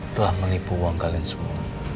telah menipu uang kalian semua